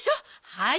はい。